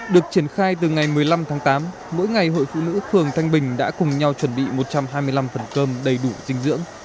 được triển khai từ ngày một mươi năm tháng tám mỗi ngày hội phụ nữ phường thanh bình đã cùng nhau chuẩn bị một trăm hai mươi năm phần cơm đầy đủ dinh dưỡng